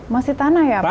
masih tanah ya pak